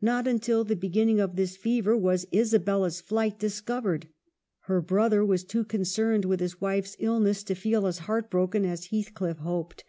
Not until the beginning of this fever was Isabella's flight dis covered. Her brother was too concerned with his wife's illness to feel as heart broken as Heath cliff hoped.